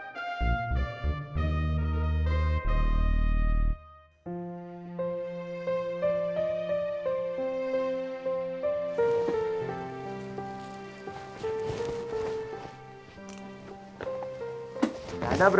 jadi kita nganter